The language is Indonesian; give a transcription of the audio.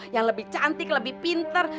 yang lebih cantik lebih pinter